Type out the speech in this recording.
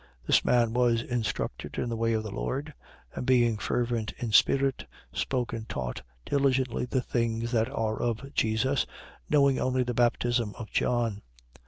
18:25. This man was instructed in the way of the Lord: and being fervent in spirit, spoke and taught diligently the things that are of Jesus, knowing only the baptism of John.